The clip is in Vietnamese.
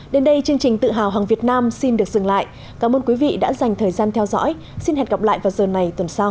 đến đây chương trình tự hào hàng việt nam xin được dừng lại cảm ơn quý vị đã dành thời gian theo dõi xin hẹn gặp lại vào giờ này tuần sau